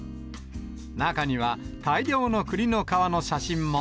中には大量のくりの皮の写真も。